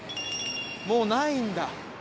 もうないんだ。